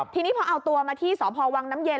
ทีนี้พอเอาตัวมาที่สพวังน้ำเย็น